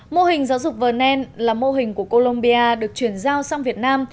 mô hình giáo dục vernon là mô hình của columbia được chuyển giao sang việt nam